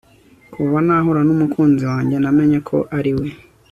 Kuva nahura numukunzi wanjye namenye ko ariwe